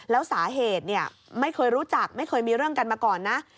แล้วสาเหตุไม่เคยรู้จักไม่เคยมีเรื่องกันมาก่อนนะ